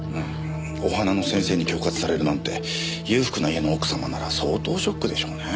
お花の先生に恐喝されるなんて裕福な家の奥様なら相当ショックでしょうね。